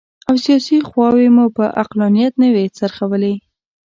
او سیاسي خواوې مو پر عقلانیت نه وي څرخولي.